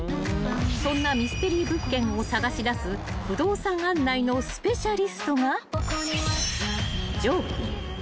［そんなミステリー物件を探し出す不動産案内のスペシャリストが］